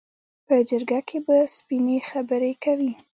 په جرګه کې به سپینې خبرې کوي.